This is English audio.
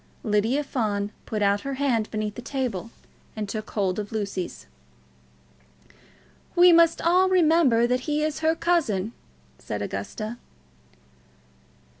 Lydia Fawn put out her hand beneath the table and took hold of Lucy's. "We must all remember that he is her cousin," said Augusta.